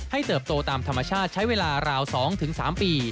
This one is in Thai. เติบโตตามธรรมชาติใช้เวลาราว๒๓ปี